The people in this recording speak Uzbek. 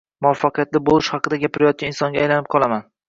muvaffaqiyatli bo’lish haqida gapirayotgan insonga aylanib qolaman